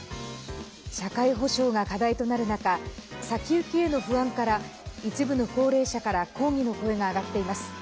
社会保障が課題となる中先行きへの不安から一部の高齢者から抗議の声が上がっています。